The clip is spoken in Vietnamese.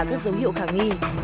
các dấu hiệu khả nghi